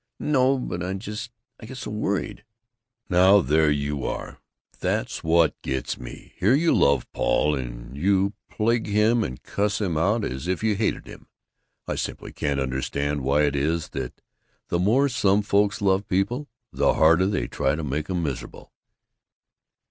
"No, but I just I get so worried." "Now, there you are! That's what gets me! Here you love Paul, and yet you plague him and cuss him out as if you hated him. I simply can't understand why it is that the more some folks love people, the harder they try to make 'em miserable."